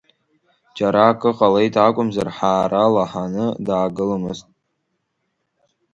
Џьара акы ҟалеит акәымзар ҳаара лаҳаны даагыломызт!